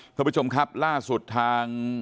ท่านผู้ชมครับล่าสุดทาง